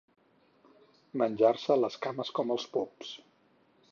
Menjar-se les cames com els pops.